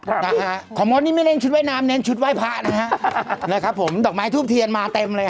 นะฮะของมดนี่ไม่เล่นชุดว่ายน้ำเน้นชุดไหว้พระนะฮะนะครับผมดอกไม้ทูบเทียนมาเต็มเลย